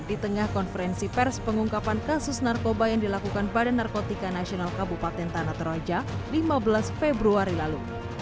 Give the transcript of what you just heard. di tengah konferensi pers pengungkapan kasus narkoba yang dilakukan pada narkotika nasional kabupaten tanah toraja lima belas februari lalu